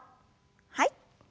はい。